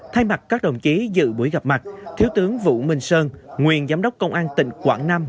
thay mặt các đồng chí dự buổi gặp mặt thiếu tướng vũ minh sơn nguyên giám đốc công an tỉnh quảng nam